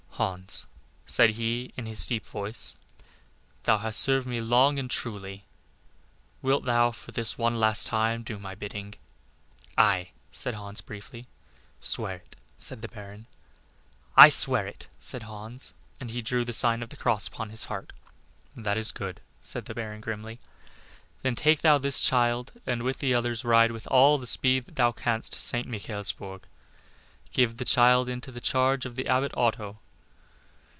"Hans," said he, in his deep voice, "thou hast served me long and truly; wilt thou for this one last time do my bidding?" "Aye," said Hans, briefly. "Swear it," said the Baron. "I swear it," said Hans, and he drew the sign of the cross upon his heart. "That is good," said the Baron, grimly. "Then take thou this child, and with the others ride with all the speed that thou canst to St. Michaelsburg. Give the child into the charge of the Abbot Otto.